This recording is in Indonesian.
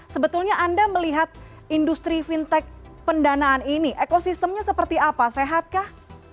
sebetulnya anda melihat industri fintech pendanaan ini ekosistemnya seperti apa sehatkah